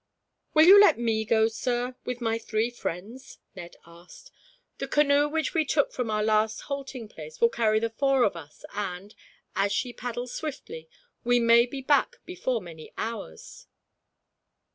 "Will you let me go, sir, with my three friends?" Ned asked. "The canoe which we took from our last halting place will carry the four of us and, as she paddles swiftly, we may be back before many hours."